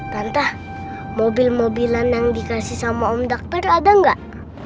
tantah mobil mobilan yang dikasih sama om doctor ada nggak